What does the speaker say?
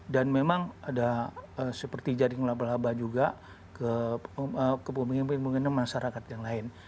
dan memang ada seperti jaring laba laba juga ke pemimpin pemimpin masyarakat yang lain